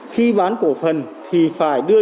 khi bán cổ phần thì phải đưa